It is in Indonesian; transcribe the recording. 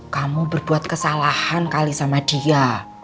kamu berbuat kesalahan kali sama dia